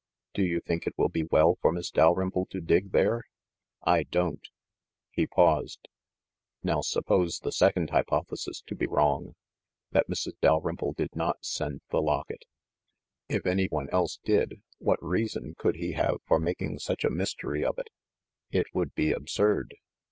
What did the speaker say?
Do you think it will be well for Miss Dalrymple to dig there? I don't." He paused. "Now suppose the second hypothesis MISS DALRYMPLE'S LOCKET 159 to be wrong, — that Mrs. Dalrymple did not send the locket. If any one else did, what reason could he have for making such a mystery of it? It would be ab surd."